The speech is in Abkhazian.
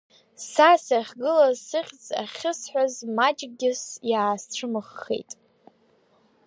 Са сахьгылаз сыхьӡ ахьысҳәаз маҷкгьы иаасцәымыӷхеит.